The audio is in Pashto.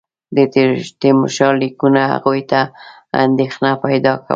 د تیمورشاه لیکونو هغوی ته اندېښنه پیدا کوله.